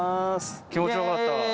気持ちよかった。